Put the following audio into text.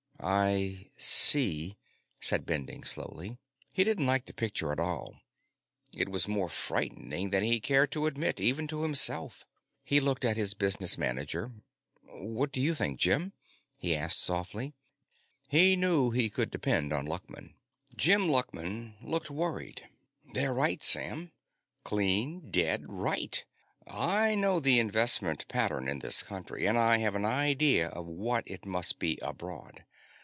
"I see," said Bending slowly. He didn't like the picture at all; it was more frightening than he cared to admit, even to himself. He looked at his business manager. "What do you think, Jim?" he asked softly. He knew he could depend on Luckman. Jim Luckman looked worried. "They're right, Sam. Clean, dead right. I know the investment pattern in this country, and I have an idea of what it must be abroad.